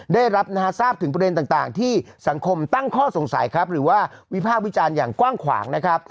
ได้รับทราบถึงประเด็นต่างที่สังคมตั้งข้อสงสัยครับหรือว่าวิพากษ์วิจารณ์อย่างกว้างขวางนะครับ